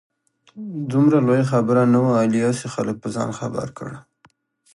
دومره لویه خبره نه وه. علي هسې خلک په ځان خبر کړ.